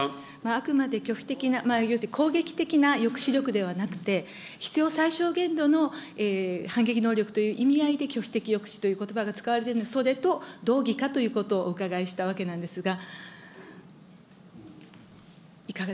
あくまで拒否的な、攻撃的な抑止力ではなくて、必要最小限度の反撃能力という意味合いで拒否的抑止ということばが使われている、それと同義かということをお伺いしたわけなんですが。